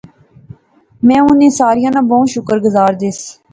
میں انیں ساریاں نا بہوں شکر گزار دیس